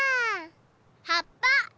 はっぱ！